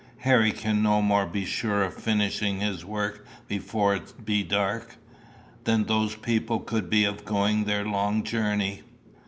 Harry can no more be sure of finishing his work before it be dark, than those people could be of going their long journey."